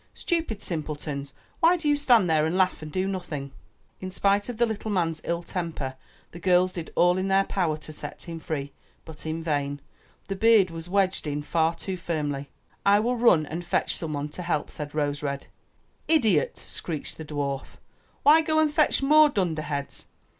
Stupid simpletons, why do you stand there and laugh and do nothing?'' In spite of the little H8^^^^ man's ill temper, the girls did all in their 9[ w6A^ power to set him free, but in vain — the beard ^^^f^ ^^ was wedged in far too firmly. '1 will run and F^ii ' ii Ji fetch some one to help," said Rose red. ''Idiot!" screeched the dwarf. ''Why go and fetch more dunderheads?